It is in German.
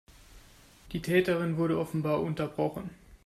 Die Täterin wurde offenbar unterbrochen.